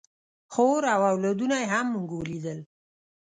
خور او اولادونه یې هم موږ ولیدل.